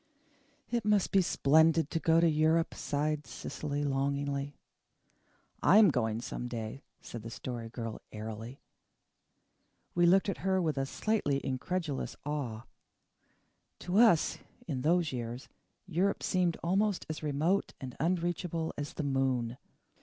"It must be splendid to go to Europe," sighed Cecily longingly. "I am going some day," said the Story Girl airily. We looked at her with a slightly incredulous awe. To us, in those years, Europe seemed almost as remote and unreachable as the moon.